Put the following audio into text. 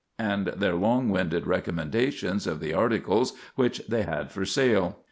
and their long winded recommendations of the articles which they had for sale.